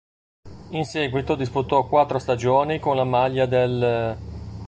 In seguito disputò quattro stagioni con la maglia dell'.